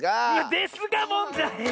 ですがもんだい！